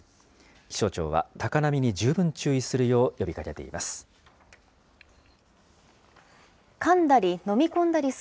気象庁は高波に十分注意するよう呼びかけています。